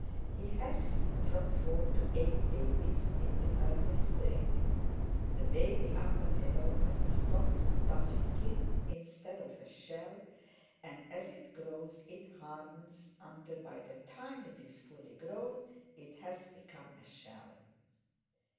He has from four to eight babies in the early spring. The baby Armadillo has a soft, tough skin instead of a shell, and as it grows it hardens until by the time it is fully grown it has become a shell.